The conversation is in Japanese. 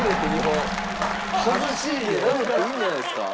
なんかいいんじゃないですか。